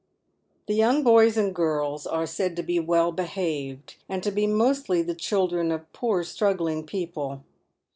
The young boys and girls are said to be well behaved, and to be mostly the children of poor struggling people.